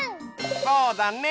そうだね！